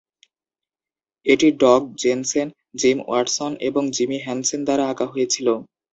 এটি Doug Jensen, Jim Watson এবং Jimmy Hansen দ্বারা আঁকা হয়েছিল।